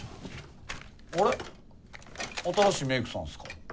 あれ新しいメークさんすか？